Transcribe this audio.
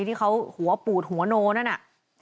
ที่เขาหัวปูดหัวโนนั่นน่ะ